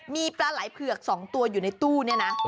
มีปลาไหล่เผือก๒ตัวอยู่ในตู้เนี่ยนะ